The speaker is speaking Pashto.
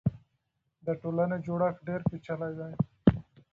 د ټولنې جوړښت ډېر پېچلی دی.